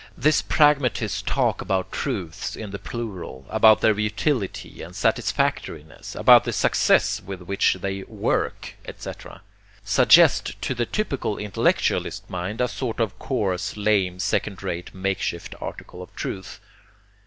This pragmatist talk about truths in the plural, about their utility and satisfactoriness, about the success with which they 'work,' etc., suggests to the typical intellectualist mind a sort of coarse lame second rate makeshift article of truth.